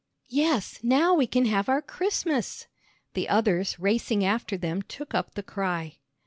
"Yes, now we can have our Christmas!" The others racing after them took up the cry.